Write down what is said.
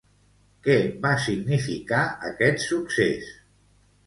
Què va significar aquest succés?